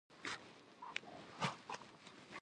د ثبات، ملي امنیت